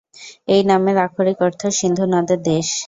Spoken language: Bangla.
এই নামের আক্ষরিক অর্থ "সিন্ধু নদের দেশ"।